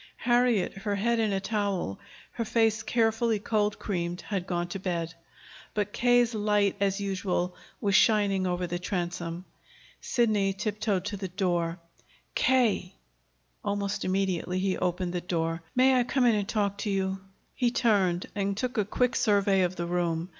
Harriet, her head in a towel, her face carefully cold creamed, had gone to bed; but K.'s light, as usual, was shining over the transom. Sidney tiptoed to the door. "K.!" Almost immediately he opened the door. "May I come in and talk to you?" He turned and took a quick survey of the room.